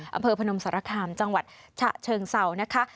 อำเภอพนมสารคามจังหวัดฉะเชิงเซานะคะ